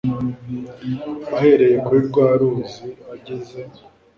ahereye kuri rwa ruzi ageze